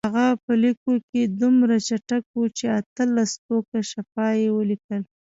هغه په لیکلو کې دومره چټک و چې اتلس ټوکه شفا یې ولیکل.